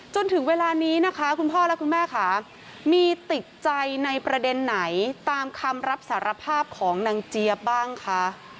จนถึงเวลานี้นะคะคุณพ่อและคุณแม่ค่ะมีติดใจในประเด็นไหนตามคำรับสารภาพของนางเจี๊ยบบ้างคะ